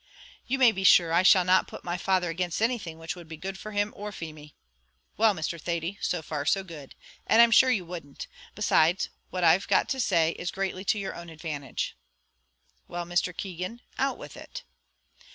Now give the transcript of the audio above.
"You may be sure I shall not put my father against anything which would be good for him or Feemy " "Well, Mr. Thady, so far so good; and I'm sure you wouldn't; besides, what I've got to say is greatly to your own advantage." "Well, Mr. Keegan, out with it."